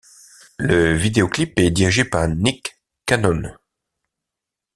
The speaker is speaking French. Le vidéoclip est dirigé par Nick Canon.